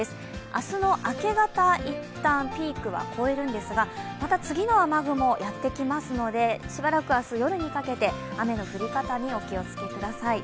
明日の明け方、いったんピークは越えるんですがまた次の雨雲やってきますので、しばらく明日、夜にかけて、雨の降り方にお気をつけください。